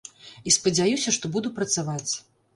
І спадзяюся, што буду працаваць.